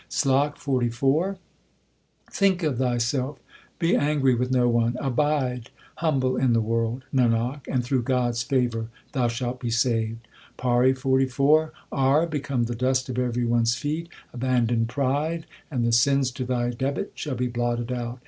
SLOK XLIV Think of thyself ; be angry with no one ; Abide humble in the world, Nanak, and through God s favour thou shalt be saved. PAURI XLIV R. Become the dust of every one s feet ; Abandon pride, and the sins to thy debit shall be blotted out.